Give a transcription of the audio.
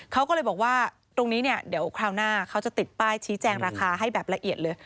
เขาก็เลยบอกว่าตรงนี้เนี่ยเดี๋ยวคราวหน้าเขาจะติดป้ายชี้แจงราคาให้แบบละเอียดเลย